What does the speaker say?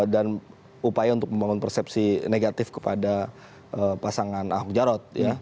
dan upaya untuk membangun persepsi negatif kepada pasangan ahok jarod